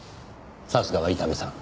さすがは伊丹さん。